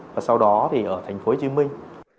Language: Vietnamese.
và sau đó thì ở thành phố hồ chí minh